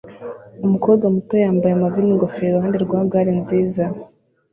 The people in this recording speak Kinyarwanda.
Umukobwa muto yambaye amavi n'ingofero iruhande rwa gare nziza